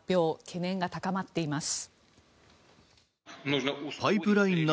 懸念が高まっています。